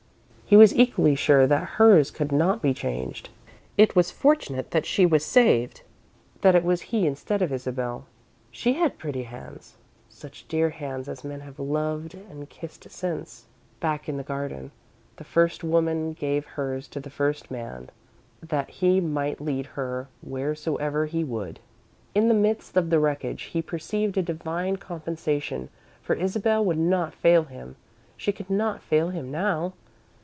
He was equally sure that hers could not be changed. It was fortunate that she was saved that it was he instead of Isabel. She had pretty hands such dear hands as men have loved and kissed since, back in the garden, the First Woman gave hers to the First Man, that he might lead her wheresoever he would. In the midst of the wreckage, he perceived a divine compensation, for Isabel would not fail him she could not fail him now.